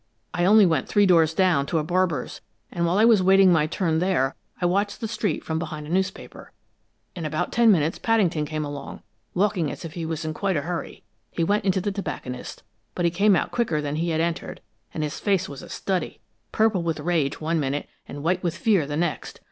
I only went three doors down, to a barber's, and while I was waiting my turn there I watched the street from behind a newspaper. "In about ten minutes Paddington came along, walking as if he was in quite a hurry. He went into the tobacconist's, but he came out quicker than he had entered, and his face was a study purple with rage one minute, and white with fear the next.